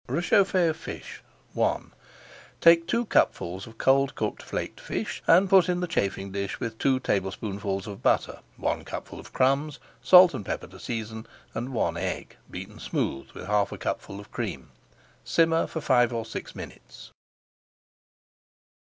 RÉCHAUFFÉ OF FISH I Take two cupfuls of cold cooked flaked fish and put into the chafing dish with two tablespoonfuls of butter, one cupful of crumbs, salt and pepper to season, and one egg beaten smooth with half a cupful of cream. Simmer for five or six minutes.